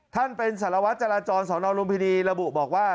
ท่านเป็นสารวัฒน์จราจรสนรมระบุบอกว่า